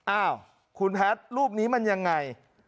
อ้าวคุณแพทย์รูปนี้มันยังไง